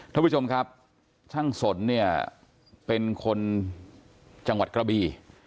ท่านผู้ชมครับช่างสนเนี่ยเป็นคนจังหวัดกระบี